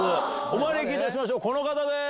お招きいたしましょうこの方です。